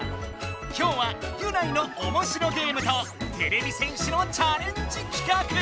今日はギュナイのおもしろゲームとてれび戦士のチャレンジきかく！